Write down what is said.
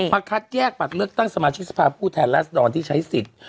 คัดแยกบัตรเลือกตั้งสมาชิกสภาพผู้แทนรัศดรที่ใช้สิทธิ์